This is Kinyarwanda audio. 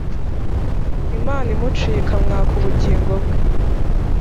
imana imuciye ikamwaka ubugingo bwe